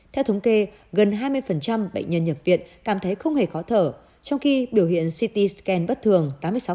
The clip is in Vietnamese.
theo thống kê gần hai mươi bệnh nhân nhập viện cảm thấy không hề khó thở trong khi biểu hiện city scan bất thường tám mươi sáu